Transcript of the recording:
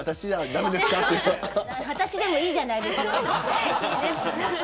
私でもいいじゃないですか。